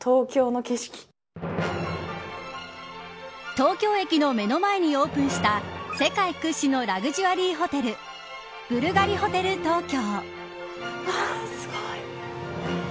東京駅の目の前にオープンした世界屈指のラグジュアリーホテルブルガリホテル東京。